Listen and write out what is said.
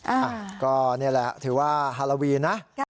อ่ะก็นี่แหละถือว่าฮาโลวีนนะ